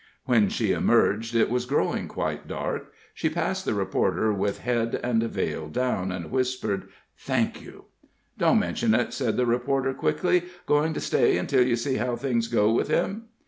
When she emerged it was growing quite dark. She passed the reporter with head and vail down, and whispered: "Thank you." "Don't mention it," said the reporter, quickly. "Going to stay until you see how things go with him?"